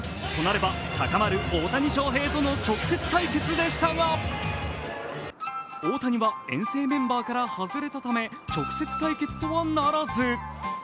となれば、高まる大谷翔平との直接対決でしたが大谷は遠征メンバーから外れたため、直接対決とはならず。